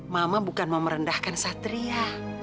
mama bukan mau merendahkan satria